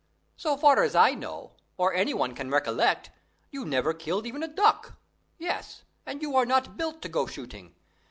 So far as I know, or any one can recollect, you never killed even a duck; yes, and you are not built to go shooting.